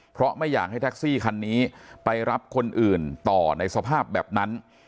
เพราะไม่อยากให้แท็กซี่คันนี้ไปรับคนอื่นต่อในสภาพแบบนั้น